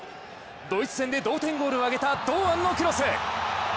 ドイツ戦で同点ゴールを上げた堂安のクロス。